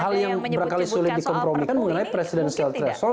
hal yang berangkali sulit dikompromikan mengenai presidensial threshold